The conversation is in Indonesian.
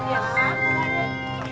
ini bolanya ambil nih